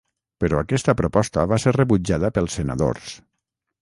Però aquesta proposta va ser rebutjada pels senadors.